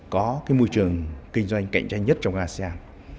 có cái môi trường kinh doanh cạnh tranh nhất trong asean